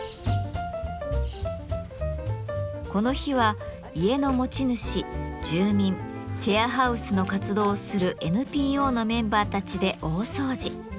この日は家の持ち主住民シェアハウスの活動をするＮＰＯのメンバーたちで大掃除。